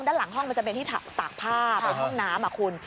ด้านหลังห้องมันจะเป็นที่ตากผ้าเป็นห้องน้ำคุณ